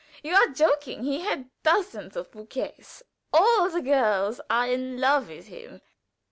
You are joking. He had dozens of bouquets. All the girls are in love with him.